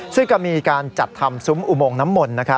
ซึ่งก็มีการจัดทำซุ้มอุโมงน้ำมนต์